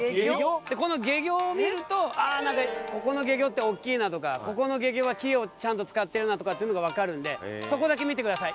この懸魚を見るとなんかここの懸魚って大きいなとかここの懸魚は木をちゃんと使っているなとかっていうのがわかるのでそこだけ見てください。